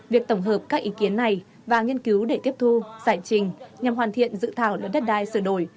việc tổng hợp các ý kiến này và nghiên cứu để tiếp thu giải trình nhằm hoàn thiện dự thảo luật đất đai sửa đổi